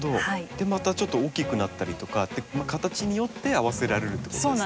でまたちょっと大きくなったりとか形によって合わせられるということですね。